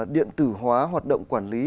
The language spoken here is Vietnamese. điện tử hóa hoạt động quản lý